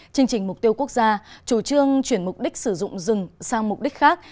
chương trình mục tiêu quốc gia chủ trương chuyển mục đích sử dụng rừng sang mục đích khác